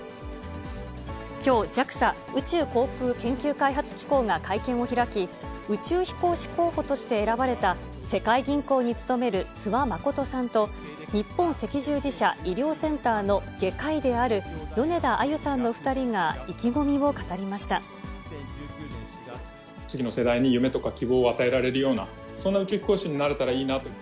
きょう、ＪＡＸＡ・宇宙航空研究開発機構が会見を開き、宇宙飛行士候補として選ばれた、世界銀行に勤める諏訪理さんと、日本赤十字社医療センターの外科医である米田あゆさんの２人が、次の世代に夢とか希望を与えられるような、そんな宇宙飛行士になれたらいいなと。